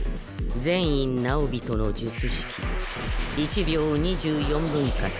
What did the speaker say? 禪院直毘人の術式１秒を２４分割